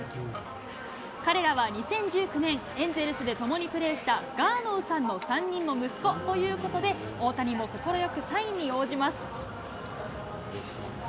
彼らは２０１９年、エンゼルスでともにプレーしたガーノウさんの３人の息子ということで、大谷も快くサインに応じます。